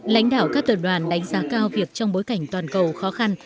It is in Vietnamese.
lãnh đạo các tập đoàn đánh giá cao việc trong bối cảnh toàn cầu khó khăn